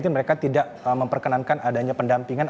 mereka tidak memperkenankan adanya pendampingan